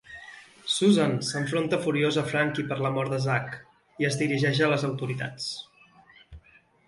Susan s'enfronta furiosa a Frankie per la mort de Zack i es dirigeix a les autoritats.